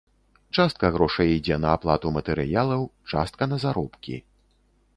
Частка грошай ідзе на аплату матэрыялаў, частка на заробкі.